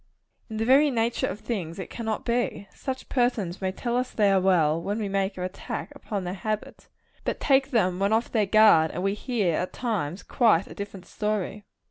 In the very nature of things it cannot be. Such persons may tell us they are well, when we make an attack upon their habits; but take them when off their guard, and we hear, at times, quite a different story.